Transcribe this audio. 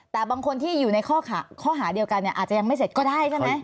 แต่บางคนที่อยู่ในข้อหาเดียวกันเนี่ยอาจจะยังไม่เสร็จก็ได้ใช่ไหม